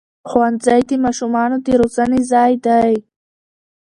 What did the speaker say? ښوونځی د ماشومانو د روزنې ځای دی